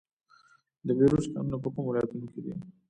د بیروج کانونه په کومو ولایتونو کې دي؟